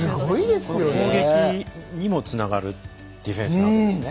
攻撃にもつながるディフェンスなんですね。